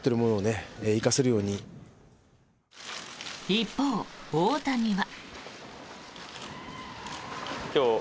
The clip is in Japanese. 一方、大谷は。